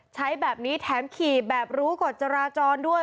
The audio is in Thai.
ใช้แบบนี้แถมขี่แบบรู้กฎจราจรด้วย